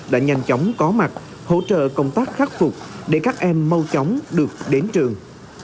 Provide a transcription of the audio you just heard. đã nhanh chóng có mặt hỗ trợ công tác khắc phục để các em mau chóng được đến trường